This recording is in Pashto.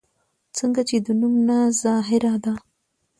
څنګه چې د نوم نه ظاهره ده